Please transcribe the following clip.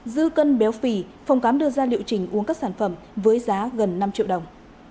dư cân béo phì phòng cám đưa ra liệu trình uống các sản phẩm với giá gần năm triệu đồng